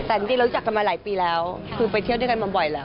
แต่จริงเรารู้จักกันมาหลายปีแล้วคือไปเที่ยวด้วยกันมาบ่อยแล้ว